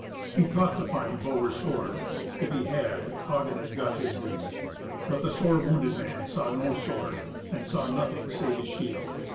He thought to find bow or sword; if he had, Hagen had got his due. But the sore wounded man saw no sword, and had nothing save his shield.